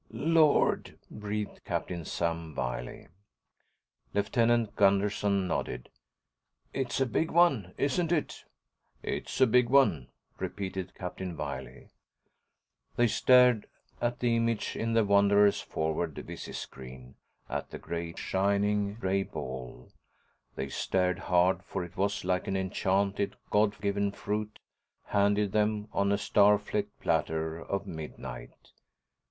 "Lord," breathed Captain Sam Wiley. Lieutenant Gunderson nodded. "It's a big one, isn't it?" "It's a big one," repeated Captain Wiley. They stared at the image in the Wanderer's forward visi screen, at the great, shining gray ball. They stared hard, for it was like an enchanted, God given fruit handed them on a star flecked platter of midnight.